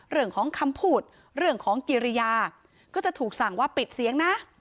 เรื่องของคำพูดเรื่องของกิริยาก็จะถูกสั่งว่าปิดเสียงนะ